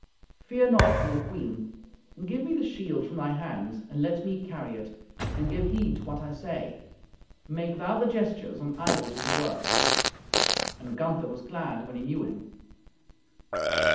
Fear naught from the queen. Give me the shield from thy hands, and let me carry it, and give heed to what I say. Make thou the gestures, and I will do the work." And Gunther was glad when he knew him.